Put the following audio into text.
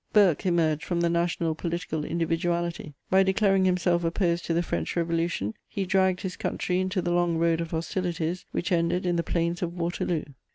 Burke emerged from the national political individuality: by declaring himself opposed to the French Revolution, he dragged his country into the long road of hostilities which ended in the plains of Waterloo.